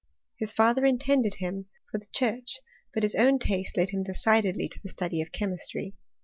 His father intended him for church ; but his own taste led him decidedly 16*' study of chemistry.